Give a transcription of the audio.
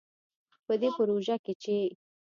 په دې پروژه کې چې